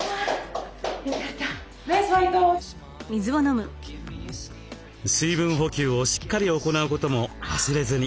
水分補給をしっかり行うことも忘れずに。